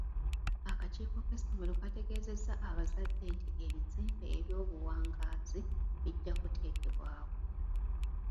Akakiiko k'essomero kategeezezza abazadde nti ebizimbe eby'obuwangaazi bijja kuteekebwawo.